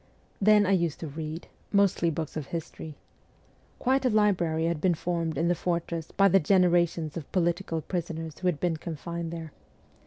Then I used to read, mostly books of history. Quite a library had been formed in the fortress by the generations of political prisoners who had been confined there.